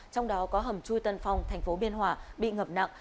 trong đó có hầm chui tân phong thành phố biên hòa bị ngập nặng